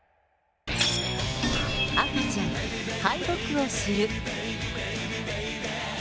赤ちゃん敗北を知る。